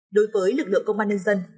đối với lực lượng công an nhân dân